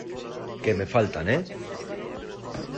que me faltan, ¿ eh?